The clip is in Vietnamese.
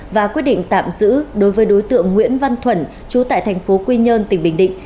và quyết định tạm giữ đối với đối tượng nguyễn văn thuẩn trú tại thành phố quy nhơn tỉnh bình định